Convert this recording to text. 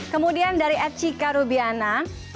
kemudian dari acika rubiana